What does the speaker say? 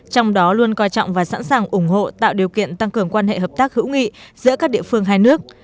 trong đó luôn coi trọng và sẵn sàng ủng hộ tạo điều kiện tăng cường quan hệ hợp tác hữu nghị giữa các địa phương hai nước